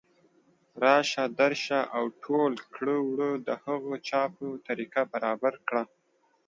راشه درشه او او ټول کړه وړه د هغه چا په طریقه برابر کړه